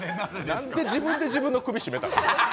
なんで自分で自分の首を絞めた？